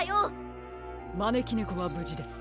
まねきねこはぶじです。